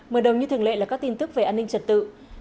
mở đầu như thường lệ là các tin tức về an ninh trật tự